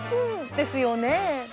ですよね。